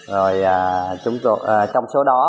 rồi trong số đó